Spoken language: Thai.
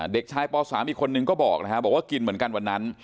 เด็กชายป่อสอีกคนนึงก็บอกหว่ากินวันนั้น